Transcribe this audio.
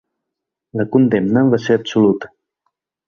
La condemna va ser absoluta.